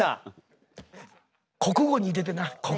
国語に入れてな国語に。